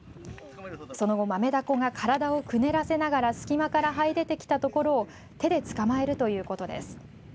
その後マメダコが体をくねらせながら隙間から、はい出てきたところを手で捕まえるということです。